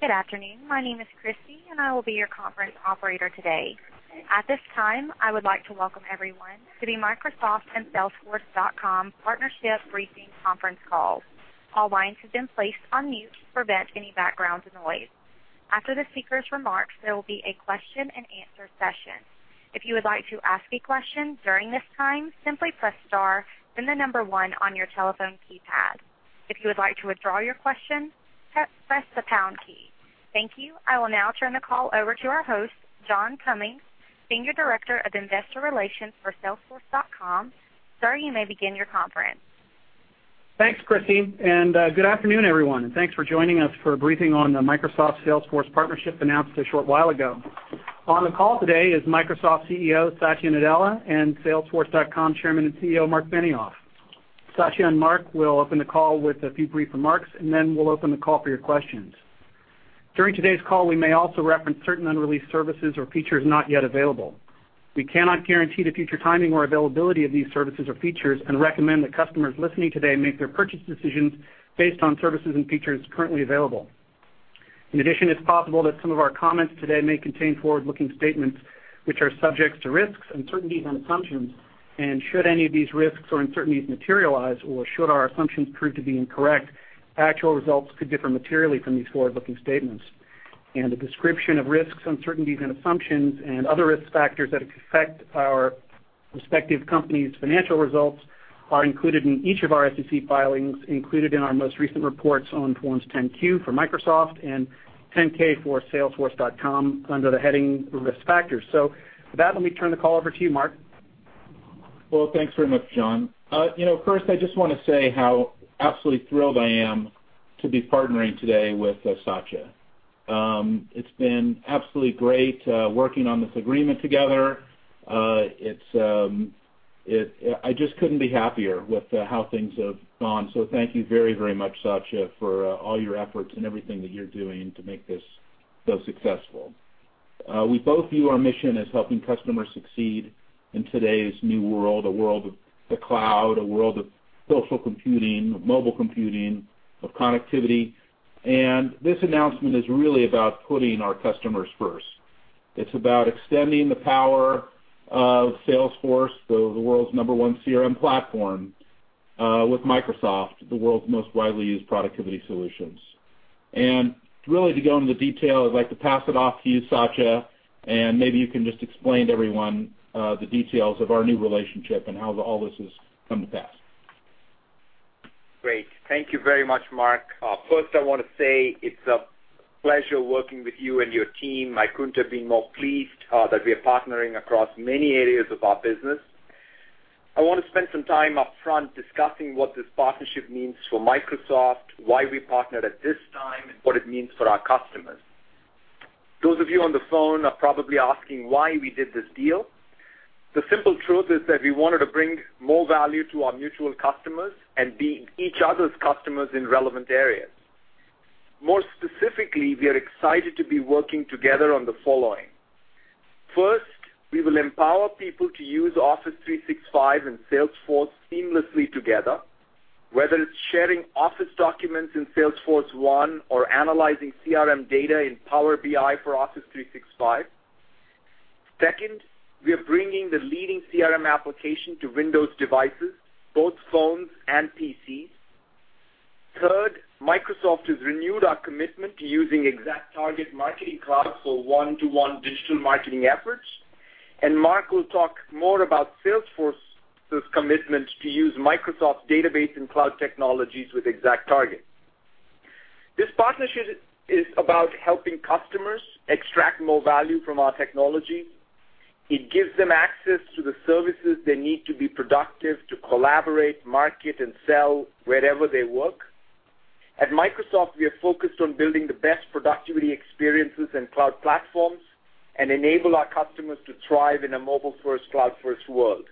Good afternoon. My name is Christy and I will be your conference operator today. At this time, I would like to welcome everyone to the Microsoft and Salesforce.com partnership briefing conference call. All lines have been placed on mute to prevent any background noise. After the speakers' remarks, there will be a question and answer session. If you would like to ask a question during this time, simply press star then the number 1 on your telephone keypad. If you would like to withdraw your question, press the pound key. Thank you. I will now turn the call over to our host, John Cummings, Senior Director of Investor Relations for Salesforce.com. Sir, you may begin your conference. Thanks, Christy. Good afternoon, everyone. Thanks for joining us for a briefing on the Microsoft Salesforce partnership announced a short while ago. On the call today is Microsoft CEO Satya Nadella and Salesforce.com Chairman and CEO Marc Benioff. Satya and Marc will open the call with a few brief remarks. Then we'll open the call for your questions. During today's call, we may also reference certain unreleased services or features not yet available. We cannot guarantee the future timing or availability of these services or features and recommend that customers listening today make their purchase decisions based on services and features currently available. It's possible that some of our comments today may contain forward-looking statements, which are subject to risks, uncertainties and assumptions. Should any of these risks or uncertainties materialize, or should our assumptions prove to be incorrect, actual results could differ materially from these forward-looking statements. A description of risks, uncertainties and assumptions and other risk factors that affect our respective company's financial results are included in each of our SEC filings, included in our most recent reports on Forms 10-Q for Microsoft and 10-K for Salesforce.com under the heading Risk Factors. With that, let me turn the call over to you, Marc. Well, thanks very much, John. First, I just want to say how absolutely thrilled I am to be partnering today with Satya. It's been absolutely great working on this agreement together. I just couldn't be happier with how things have gone. Thank you very, very much, Satya, for all your efforts and everything that you're doing to make this so successful. We both view our mission as helping customers succeed in today's new world, a world of the cloud, a world of social computing, of mobile computing, of connectivity. This announcement is really about putting our customers first. It's about extending the power of Salesforce, the world's number 1 CRM platform, with Microsoft, the world's most widely used productivity solutions. Really to go into detail, I'd like to pass it off to you, Satya, and maybe you can just explain to everyone the details of our new relationship and how all this has come to pass. Great. Thank you very much, Marc. I want to say it's a pleasure working with you and your team. I couldn't have been more pleased that we are partnering across many areas of our business. I want to spend some time upfront discussing what this partnership means for Microsoft, why we partnered at this time, and what it means for our customers. Those of you on the phone are probably asking why we did this deal. The simple truth is that we wanted to bring more value to our mutual customers and be each other's customers in relevant areas. More specifically, we are excited to be working together on the following. We will empower people to use Office 365 and Salesforce seamlessly together, whether it's sharing Office documents in Salesforce1 or analyzing CRM data in Power BI for Office 365. We are bringing the leading CRM application to Windows devices, both phones and PCs. Microsoft has renewed our commitment to using ExactTarget Marketing Cloud for one-to-one digital marketing efforts, and Marc will talk more about Salesforce's commitment to use Microsoft's database and cloud technologies with ExactTarget. This partnership is about helping customers extract more value from our technology. It gives them access to the services they need to be productive, to collaborate, market, and sell wherever they work. At Microsoft, we are focused on building the best productivity experiences and cloud platforms and enable our customers to thrive in a mobile-first, cloud-first world.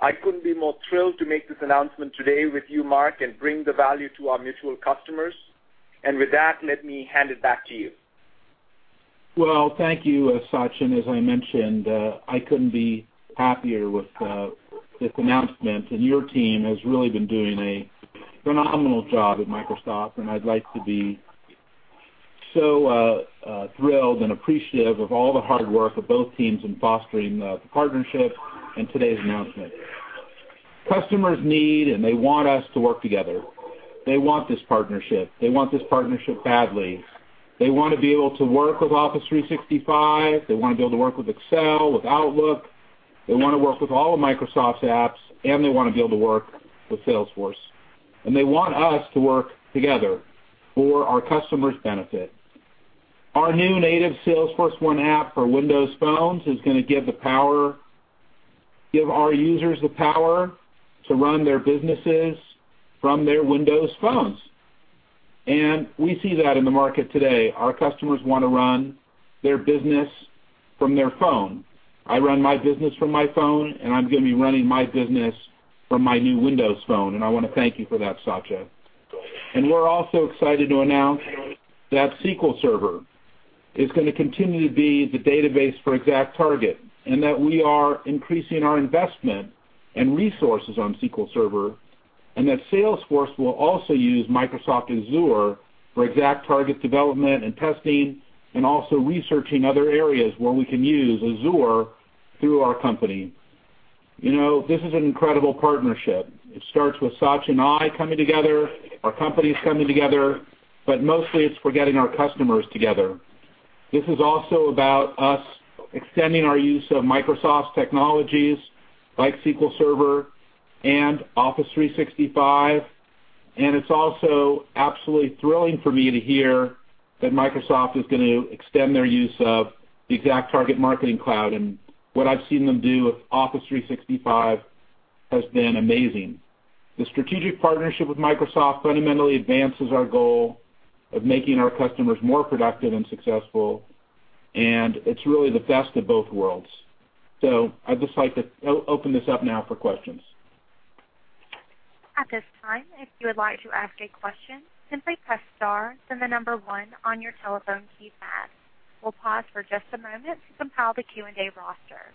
I couldn't be more thrilled to make this announcement today with you, Marc, and bring the value to our mutual customers. With that, let me hand it back to you. Well, thank you, Satya. As I mentioned, I couldn't be happier with this announcement, and your team has really been doing a phenomenal job at Microsoft, and I'd like to be so thrilled and appreciative of all the hard work of both teams in fostering the partnership and today's announcement. Customers need, and they want us to work together. They want this partnership. They want this partnership badly. They want to be able to work with Office 365. They want to be able to work with Excel, with Outlook. They want to work with all of Microsoft's apps, and they want to be able to work with Salesforce. They want us to work together for our customers' benefit. Our new native Salesforce1 app for Windows phones is going to give our users the power to run their businesses from their Windows phones. We see that in the market today. Our customers want to run their business from their phone. I run my business from my phone, I'm going to be running my business from my new Windows phone, I want to thank you for that, Satya. We're also excited to announce that SQL Server is going to continue to be the database for ExactTarget, that we are increasing our investment and resources on SQL Server, that Salesforce will also use Microsoft Azure for ExactTarget development and testing, researching other areas where we can use Azure through our company. This is an incredible partnership. It starts with Satya and I coming together, our companies coming together, mostly it's for getting our customers together. This is also about us extending our use of Microsoft's technologies like SQL Server and Office 365, it's also absolutely thrilling for me to hear that Microsoft is going to extend their use of the ExactTarget Marketing Cloud what I've seen them do with Office 365 has been amazing. The strategic partnership with Microsoft fundamentally advances our goal of making our customers more productive and successful, it's really the best of both worlds. I'd just like to open this up now for questions. At this time, if you would like to ask a question, simply press star, then the number one on your telephone keypad. We'll pause for just a moment to compile the Q&A roster.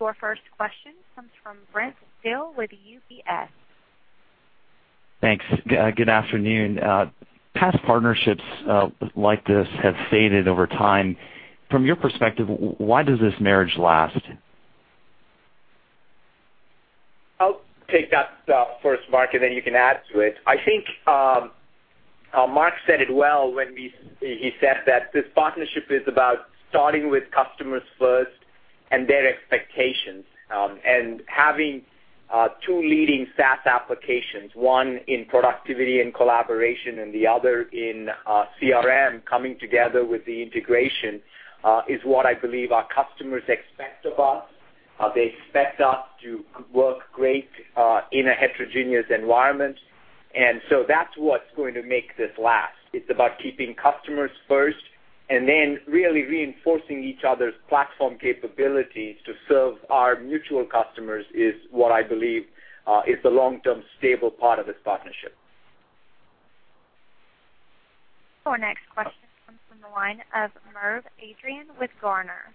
Your first question comes from Brent Thill with UBS. Thanks. Good afternoon. Past partnerships like this have faded over time. From your perspective, why does this marriage last? I'll take that first, Marc, then you can add to it. I think Marc said it well when he said that this partnership is about starting with customers first and their expectations, and having two leading SaaS applications, one in productivity and collaboration and the other in CRM, coming together with the integration, is what I believe our customers expect of us. They expect us to work great in a heterogeneous environment. So that's what's going to make this last. It's about keeping customers first then really reinforcing each other's platform capabilities to serve our mutual customers is what I believe is the long-term stable part of this partnership. Our next question comes from the line of Merv Adrian with Gartner.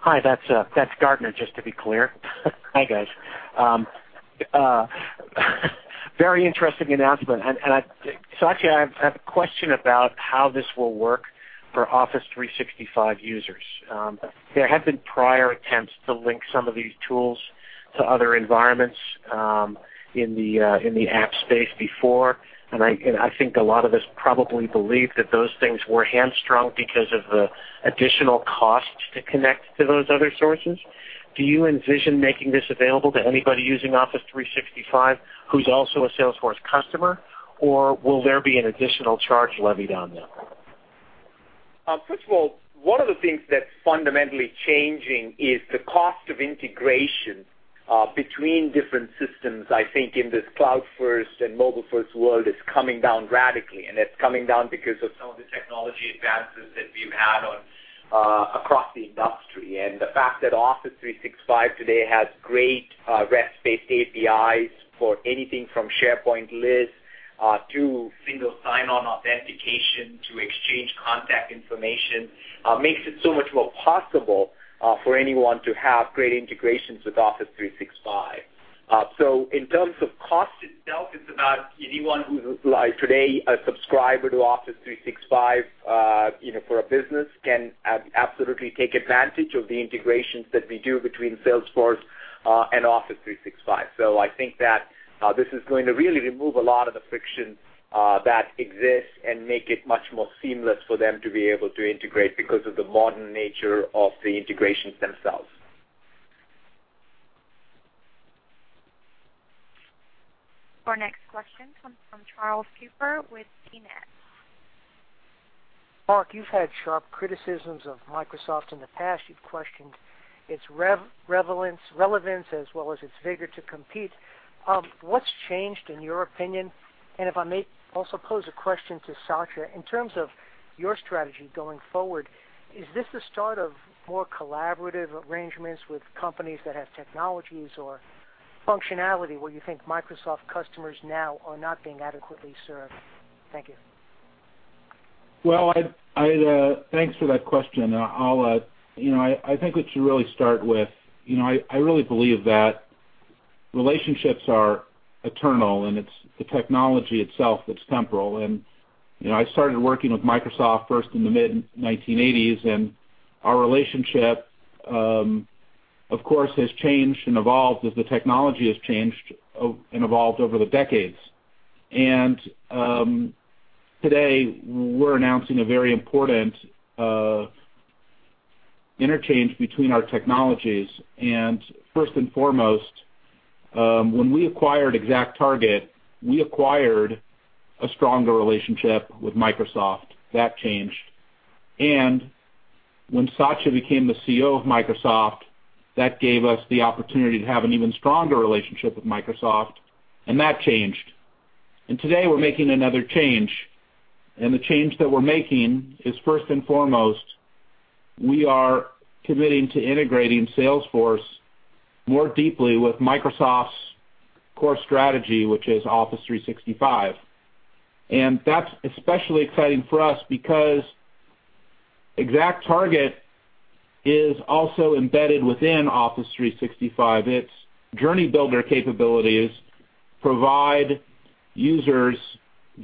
Hi, that's Gartner, just to be clear. Hi, guys. Very interesting announcement. Satya, I have a question about how this will work for Office 365 users. There have been prior attempts to link some of these tools to other environments in the app space before, and I think a lot of us probably believe that those things were hamstrung because of the additional costs to connect to those other sources. Do you envision making this available to anybody using Office 365 who's also a Salesforce customer, or will there be an additional charge levied on them? First of all, one of the things that's fundamentally changing is the cost of integration between different systems, I think in this cloud first and mobile first world, is coming down radically, and it's coming down because of some of the technology advances that we've had across the industry. The fact that Office 365 today has great REST-based APIs for anything from SharePoint lists to single sign-on authentication to exchange contact information, makes it so much more possible for anyone to have great integrations with Office 365. In terms of cost itself, it's about anyone who's today a subscriber to Office 365 for a business, can absolutely take advantage of the integrations that we do between Salesforce and Office 365. I think that this is going to really remove a lot of the friction that exists and make it much more seamless for them to be able to integrate because of the modern nature of the integrations themselves. Our next question comes from Charles Cooper with CNET. Marc, you've had sharp criticisms of Microsoft in the past. You've questioned its relevance as well as its vigor to compete. What's changed, in your opinion? If I may also pose a question to Satya, in terms of your strategy going forward, is this the start of more collaborative arrangements with companies that have technologies or functionality where you think Microsoft customers now are not being adequately served? Thank you. Well, thanks for that question. I think what you really start with, I really believe that relationships are eternal, and it's the technology itself that's temporal. I started working with Microsoft first in the mid-1980s, and our relationship, of course, has changed and evolved as the technology has changed and evolved over the decades. Today, we're announcing a very important interchange between our technologies. First and foremost, when we acquired ExactTarget, we acquired a stronger relationship with Microsoft. That changed. When Satya became the CEO of Microsoft, that gave us the opportunity to have an even stronger relationship with Microsoft, and that changed. Today, we're making another change, and the change that we're making is first and foremost We are committing to integrating Salesforce more deeply with Microsoft's core strategy, which is Office 365. That's especially exciting for us because ExactTarget is also embedded within Office 365. Its journey builder capabilities provide users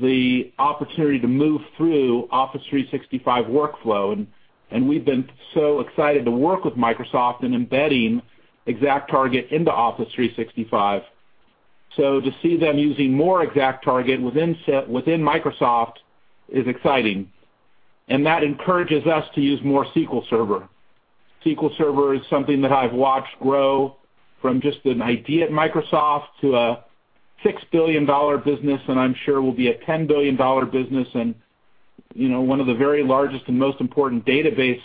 the opportunity to move through Office 365 workflow, we've been so excited to work with Microsoft in embedding ExactTarget into Office 365. To see them using more ExactTarget within Microsoft is exciting, that encourages us to use more SQL Server. SQL Server is something that I've watched grow from just an idea at Microsoft to a $6 billion business, I'm sure will be a $10 billion business, one of the very largest and most important database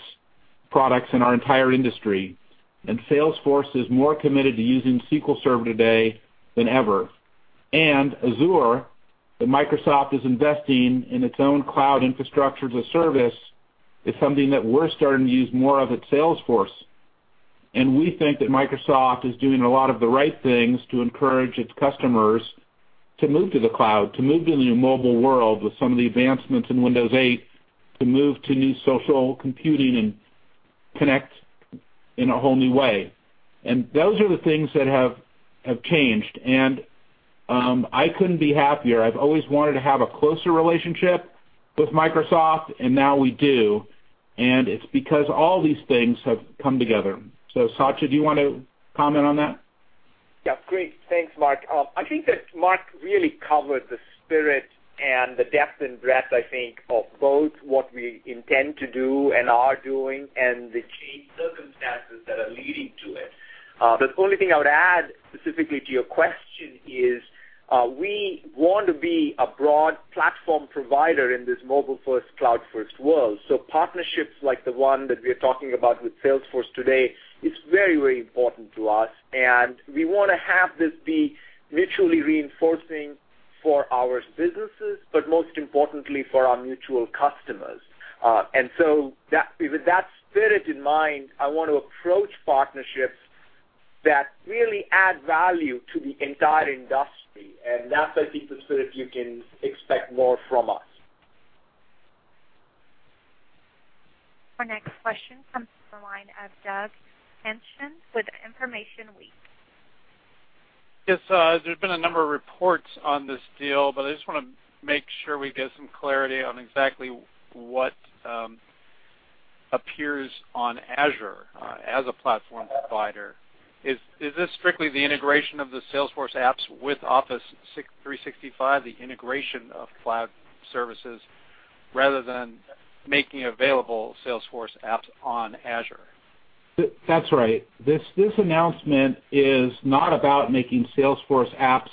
products in our entire industry. Salesforce is more committed to using SQL Server today than ever. Azure, that Microsoft is investing in its own cloud infrastructure as a service, is something that we're starting to use more of at Salesforce. We think that Microsoft is doing a lot of the right things to encourage its customers to move to the cloud, to move to the new mobile world with some of the advancements in Windows 8, to move to new social computing and connect in a whole new way. Those are the things that have changed, I couldn't be happier. I've always wanted to have a closer relationship with Microsoft, now we do, it's because all these things have come together. Satya, do you want to comment on that? Yeah. Great. Thanks, Marc. I think that Marc really covered the spirit and the depth and breadth, I think of both what we intend to do and are doing and the changed circumstances that are leading to it. The only thing I would add specifically to your question is, we want to be a broad platform provider in this mobile-first, cloud-first world. Partnerships like the one that we're talking about with Salesforce today is very important to us, we want to have this be mutually reinforcing for our businesses, but most importantly for our mutual customers. With that spirit in mind, I want to approach partnerships that really add value to the entire industry, that's, I think, the spirit you can expect more from us. Our next question comes from the line of Doug Henschen with InformationWeek. Yes. There's been a number of reports on this deal, but I just want to make sure we get some clarity on exactly what appears on Azure as a platform provider. Is this strictly the integration of the Salesforce apps with Office 365, the integration of cloud services, rather than making available Salesforce apps on Azure? That's right. This announcement is not about making Salesforce apps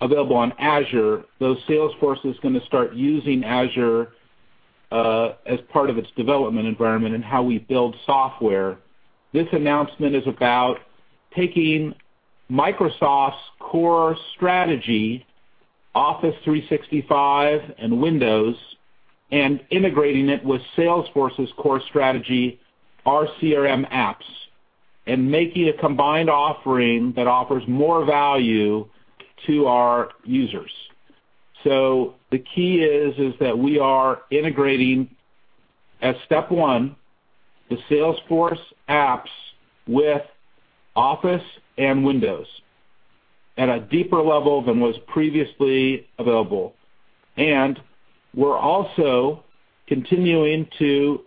available on Azure, though Salesforce is going to start using Azure as part of its development environment and how we build software. This announcement is about taking Microsoft's core strategy, Office 365 and Windows, and integrating it with Salesforce's core strategy, our CRM apps, and making a combined offering that offers more value to our users. The key is that we are integrating as step one, the Salesforce apps with Office and Windows at a deeper level than was previously available. We're also continuing to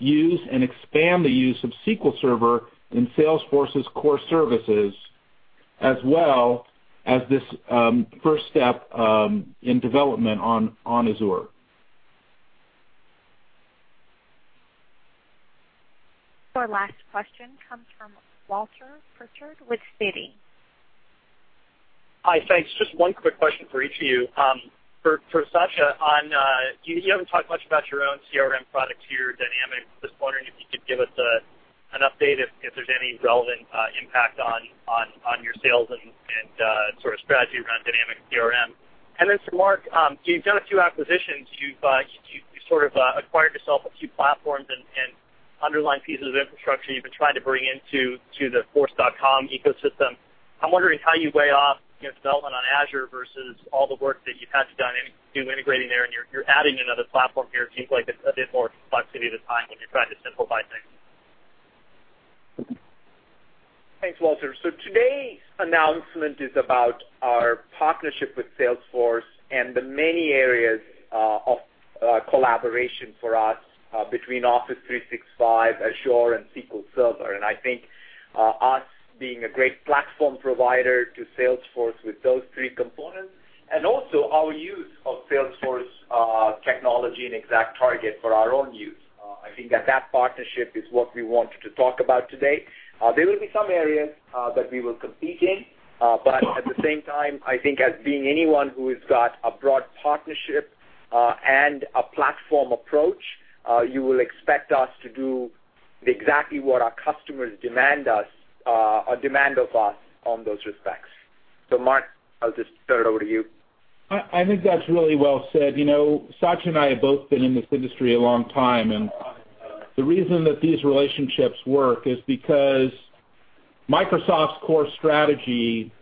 use and expand the use of SQL Server in Salesforce's core services, as well as this first step in development on Azure. Our last question comes from Walter Pritchard with Citi. Hi. Thanks. Just one quick question for each of you. For Satya on, you haven't talked much about your own CRM product here, Dynamics. Just wondering if you could give us an update if there's any relevant impact on your sales and sort of strategy around Dynamics CRM. For Marc, you've done a few acquisitions. You've sort of acquired yourself a few platforms and underlying pieces of infrastructure you've been trying to bring into the Force.com ecosystem. I'm wondering how you weigh off development on Azure versus all the work that you've had to do integrating there, and you're adding another platform here. It seems like it's a bit more complexity at a time when you're trying to simplify things. Thanks, Walter. Today's announcement is about our partnership with Salesforce and the many areas of collaboration for us between Office 365, Azure, and SQL Server. I think us being a great platform provider to Salesforce with those three components and also our use of Salesforce technology and ExactTarget for our own use. I think that that partnership is what we wanted to talk about today. There will be some areas that we will compete in, but at the same time, I think as being anyone who has got a broad partnership, and a platform approach, you will expect us to do exactly what our customers demand of us on those respects. Marc, I'll just turn it over to you. I think that's really well said. Satya and I have both been in this industry a long time, the reason that these relationships work is because Microsoft's core strategy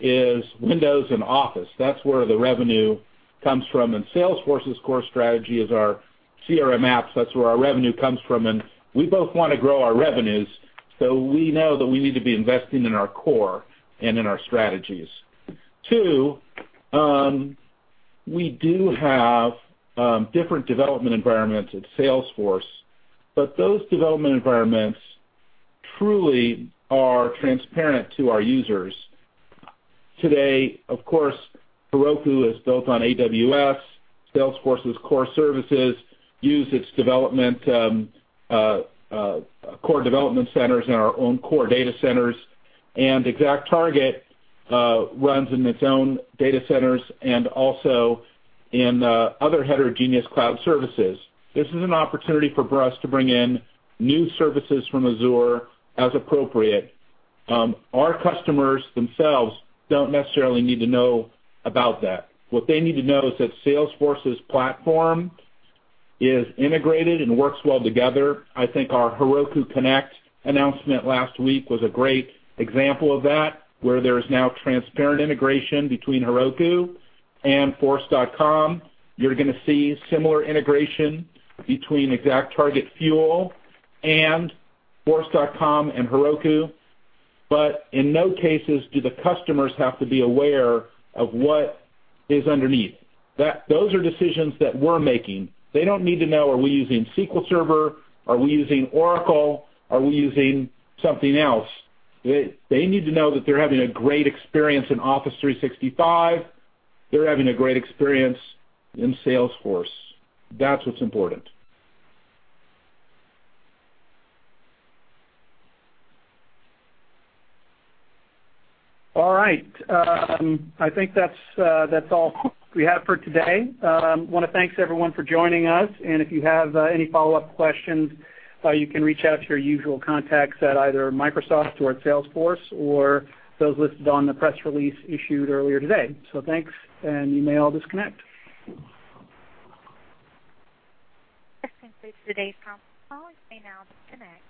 is Windows and Office. That's where the revenue comes from. Salesforce's core strategy is our CRM apps. That's where our revenue comes from. We both want to grow our revenues, so we know that we need to be investing in our core and in our strategies. Two, we do have different development environments at Salesforce, but those development environments truly are transparent to our users. Today, of course, Heroku is built on AWS. Salesforce's core services use its core development centers and our own core data centers, and ExactTarget runs in its own data centers and also in other heterogeneous cloud services. This is an opportunity for us to bring in new services from Azure as appropriate. Our customers themselves don't necessarily need to know about that. What they need to know is that Salesforce's platform is integrated and works well together. I think our Heroku Connect announcement last week was a great example of that, where there is now transparent integration between Heroku and Force.com. You're going to see similar integration between ExactTarget, Fuel, and Force.com and Heroku. In no cases do the customers have to be aware of what is underneath. Those are decisions that we're making. They don't need to know, are we using SQL Server? Are we using Oracle? Are we using something else? They need to know that they're having a great experience in Office 365. They're having a great experience in Salesforce. That's what's important. All right. I think that's all we have for today. Want to thanks everyone for joining us, if you have any follow-up questions, you can reach out to your usual contacts at either Microsoft or at Salesforce or those listed on the press release issued earlier today. Thanks, you may all disconnect. That concludes today's conference call. You may now disconnect.